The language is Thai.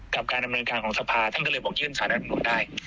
กับการดำเนินการของสภาท่านก็เลยบอกยื่นสารรัฐมนุนได้